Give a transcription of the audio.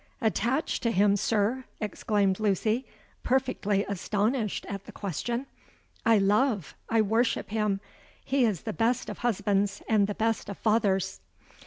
—'Attached to him, sir!' exclaimed Lucy, perfectly astonished at the question: 'I love—I worship him! He is the best of husbands and the best of fathers!'